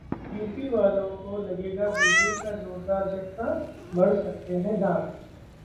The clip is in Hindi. यूपी वालों को लगेगा बिजली का जोरदार झटका? बढ़ सकते हैं दाम